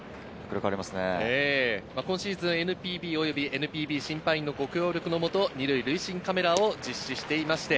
今シーズンＮＰＢおよびＮＰＢ審判員ご協力もと、２塁塁審カメラを実施しています。